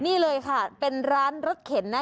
นี่เลยค่ะเป็นร้านรถเข็นนะ